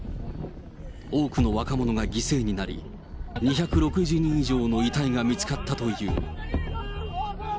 多くの若者が犠牲になり、２６０人以上の遺体が見つかったという。